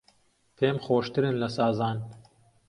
پێم خۆشترن لە سازان